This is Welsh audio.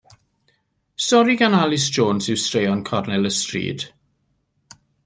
Stori gan Alys Jones yw Straeon Cornel y Stryd.